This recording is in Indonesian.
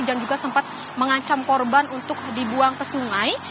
dan juga sempat mengancam korban untuk dibuang ke sungai